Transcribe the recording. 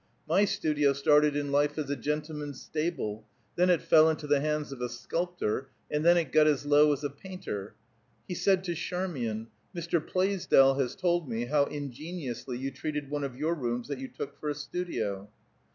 "My studio started in life as a gentleman's stable; then it fell into the hands of a sculptor, and then it got as low as a painter." He said to Charmian, "Mr. Plaisdell has told me how ingeniously you treated one of your rooms that you took for a studio."